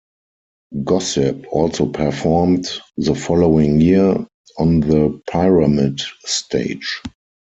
Gossip also performed the following year, on the Pyramid Stage.